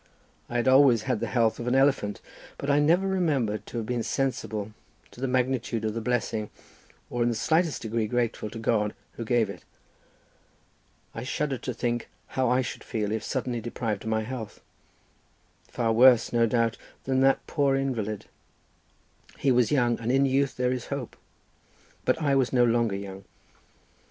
I had always had the health of an elephant, but I never remember to have been sensible to the magnitude of the blessing or in the slightest degree grateful to the God who gave it. I shuddered to think how I should feel if suddenly deprived of my health. Far worse, no doubt, than that poor invalid. He was young, and in youth there is hope—but I was no longer young.